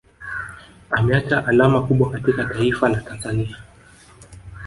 Ameacha alama kubwa katika Taifala la Tanzania